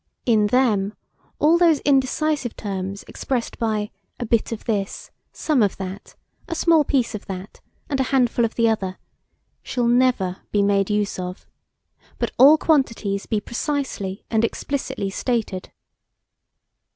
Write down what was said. In them all those indecisive terms expressed by a bit of this, some of that, a small piece of that, and a handful of the other, shall never be made use of, but all quantities be precisely and explicitly stated.